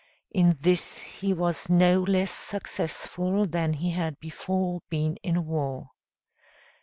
In this he was no less successful than he had before been in war.